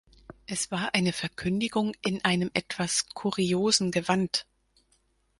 Es war eine Verkündigung „in einem etwas kuriosen Gewand“.